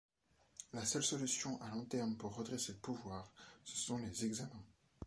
La seule solution à long terme pour redresser le pouvoir, ce sont les examens.